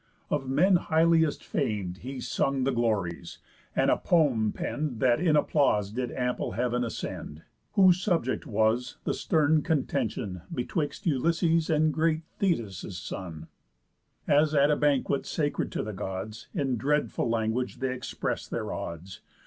Of men highliest fam'd He sung the glories, and a poem penn'd, That in applause did ample heav'n ascend. Whose subject was, the stern Contentión Betwixt Ulysses and great Thetis' son, As, at a banquet sacred to the Gods, In dreadful language they express'd their odds.